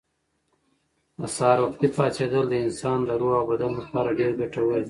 د سهار وختي پاڅېدل د انسان د روح او بدن لپاره ډېر ګټور دي.